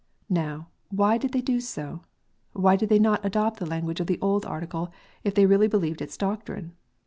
Now, why did they do sol Why did they not adopt the language of the old Article, if they really believed its doctrine?